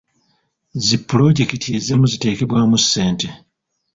Zi pulojekiti ezimu ziteekebwamu ssente.